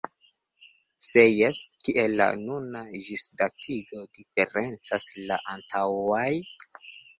Se jes, kiel la nuna ĝisdatigo diferencas de la antaŭaj?